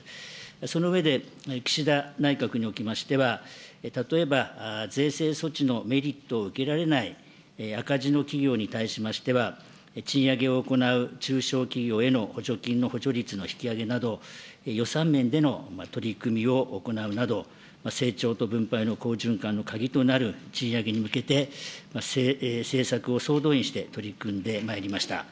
その上で、岸田内閣におきましては、例えば、税制措置のメリットを受けられない赤字の企業に対しましては、賃上げを行う中小企業への補助金の補助率の引き上げなど、予算面での取り組みを行うなど、成長と分配の好循環の鍵となる賃上げに向けて、政策を総動員して取り組んでまいりました。